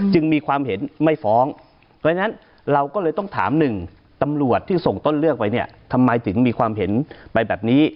จึงมีความเห็นไม่ฟ้องเพราะฉะนั้นเราก็เลยต้องถามหนึ่งตำรวจที่ส่งต้นเลือกไปเนี่ยทำไมถึงมีความเห็นไปแบบนี้